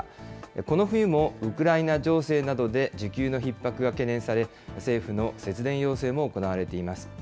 この冬もウクライナ情勢などで、需給のひっ迫が懸念され、政府の節電要請も行われています。